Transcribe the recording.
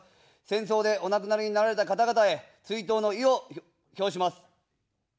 戦争でお亡くなりになられた方々へ追悼の意を表します。